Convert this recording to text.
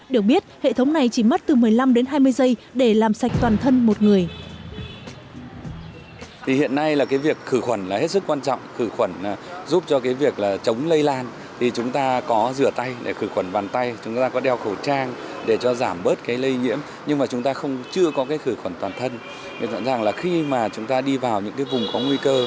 được biết hệ thống này chỉ mất từ một mươi năm đến hai mươi giây để làm sạch toàn thân một người